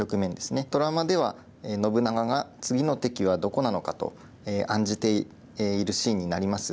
ドラマでは信長が次の敵はどこなのかと案じているシーンになります。